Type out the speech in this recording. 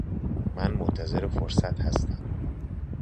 من منتظر فرصت هستم